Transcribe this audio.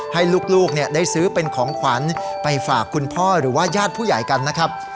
ให้ลูกได้ซื้อเป็นของขวัญไปฝากคุณพ่อหรือว่าญาติผู้ใหญ่กันนะครับ